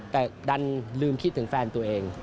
แต่ดันลืมคิดถึงแฟนตัวเอง